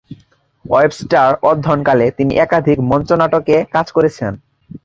Webster অধ্যয়নকালে তিনি একাধিক মঞ্চনাটকে কাজ করেছেন।